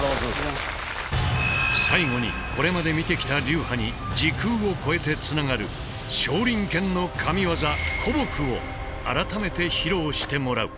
最後にこれまで見てきた流派に時空を超えてつながる少林拳の神業・虎撲を改めて披露してもらう。